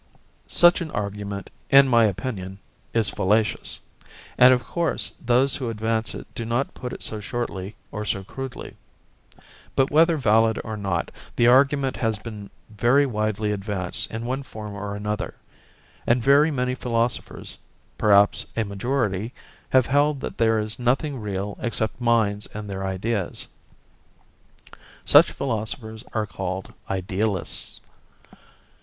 Such an argument, in my opinion, is fallacious; and of course those who advance it do not put it so shortly or so crudely. But whether valid or not, the argument has been very widely advanced in one form or another; and very many philosophers, perhaps a majority, have held that there is nothing real except minds and their ideas. Such philosophers are called 'idealists'.